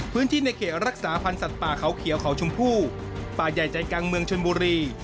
ในเขตรักษาพันธ์สัตว์ป่าเขาเขียวเขาชมพู่ป่าใหญ่ใจกลางเมืองชนบุรี